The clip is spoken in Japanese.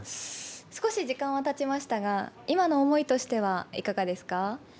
少し時間はたちましたが今の思いとしてはいかがですか？